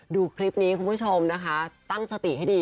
ดูคลิปนี้คุณผู้ชมนะคะตั้งสติให้ดี